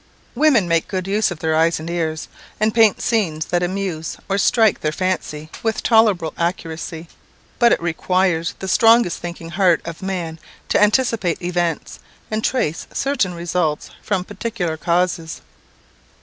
Women make good use of their eyes and ears, and paint scenes that amuse or strike their fancy with tolerable accuracy; but it requires the strong thinking heart of man to anticipate events, and trace certain results from particular causes.